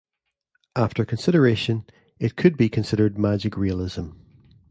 After consideration, it could be considered magic realism.